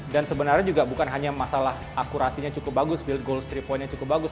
dan sebenarnya juga bukan hanya masalah akurasinya cukup bagus field goals three pointnya cukup bagus